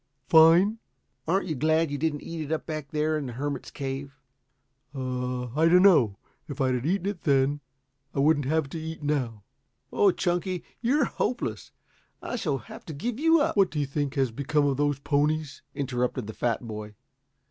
"Fine!" "Aren't you glad you didn't eat it up back there in the hermit's cave?" "Oh, I dunno. If I'd eaten it then, I wouldn't have to eat it now." "Oh, Chunky, you're hopeless. I shall have to give you up " "What do you think has become of those ponies?" interrupted the fat boy.